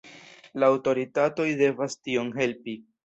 La aŭtoritatoj devas tion helpi.